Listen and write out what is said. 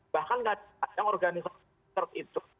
bahkan tidak ada organisasi c cart itu